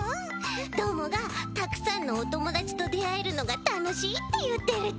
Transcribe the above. どーもが「たくさんのおともだちとであえるのがたのしい」っていってるち。